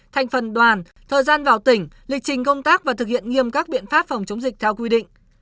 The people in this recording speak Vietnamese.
thành phần đoàn thời gian vào tỉnh lịch trình công tác và thực hiện nghiêm các biện pháp phòng chống dịch theo quy định